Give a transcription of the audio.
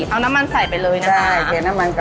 เอาน้ำมันใส่ไปเลยนะคะ